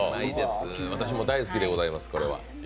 私も大好きでございます、これは。